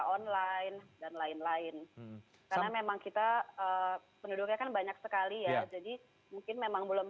online dan lain lain karena memang kita penduduknya kan banyak sekali ya jadi mungkin memang belum